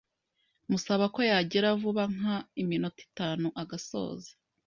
musaba ko yagira vuba nka iminota itanu agasoza